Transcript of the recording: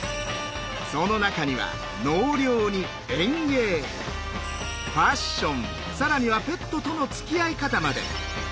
その中には納涼に園芸ファッション更にはペットとのつきあい方まで。